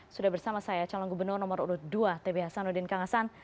sudah bersama saya calon gubernur nomor dua tbh sanudin kangasan